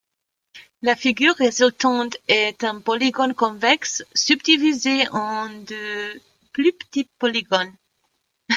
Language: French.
La figure résultante est un polygone convexe subdivisé en de plus petits polygones.